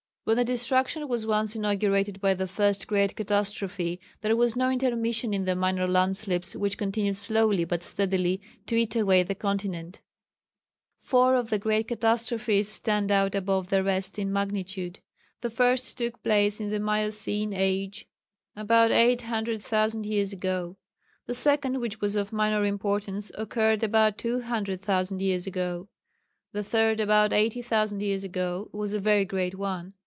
When the destruction was once inaugurated by the first great catastrophe there was no intermission of the minor landslips which continued slowly but steadily to eat away the continent. Four of the great catastrophes stand out above the rest in magnitude. The first took place in the Miocene age, about 800,000 years ago. The second, which was of minor importance, occurred about 200,000 years ago. The third about 80,000 years ago was a very great one.